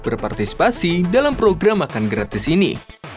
berpartisipasi dalam program makan gratis ini